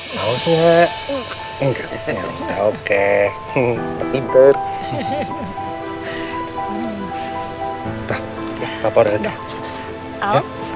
mbak andi yang pernah menjadi narapidana